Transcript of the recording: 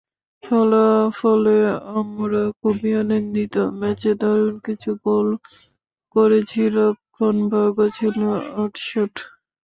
ফলাফলে আমরা খুবই আনন্দিত, ম্যাচে দারুণ কিছু গোল করেছি, রক্ষণভাগও ছিল আঁটসাঁট।